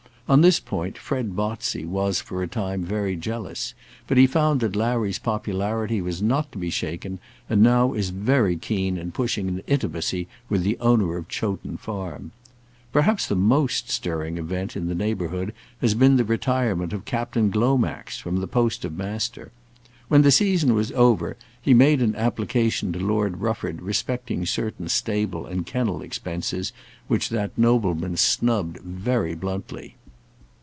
On this point Fred Botsey was for a time very jealous; but he found that Larry's popularity was not to be shaken, and now is very keen in pushing an intimacy with the owner of Chowton Farm. Perhaps the most stirring event in the neighbourhood has been the retirement of Captain Glomax from the post of Master. When the season was over he made an application to Lord Rufford respecting certain stable and kennel expenses, which that nobleman snubbed very bluntly.